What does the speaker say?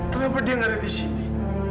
kenapa dia nggak ada di sini